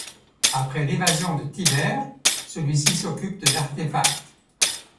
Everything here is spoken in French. Après l'évasion de Tyber, celui-ci s'occupe de l'artefact.